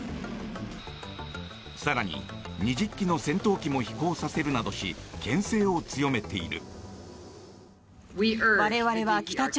更に、２０機の戦闘機も飛行させるなどしけん制を強めている。